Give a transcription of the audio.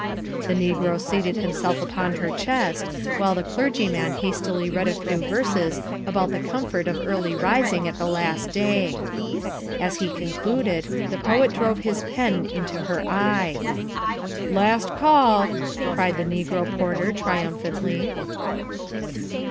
The negro seated himself upon her chest, while the clergyman hastily read a few verses about the comfort of early rising at the last day. As he concluded, the poet drove his pen into her eye. "Last call!" cried the negro porter triumphantly.